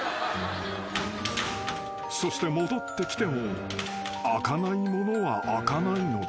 ［そして戻ってきても開かないものは開かないのだ］